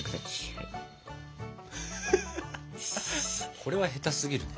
これは下手すぎるね。